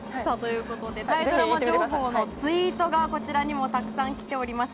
タイドラマ情報のツイートがこちらにもたくさん来ております。